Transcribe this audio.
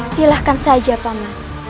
silahkan saja paman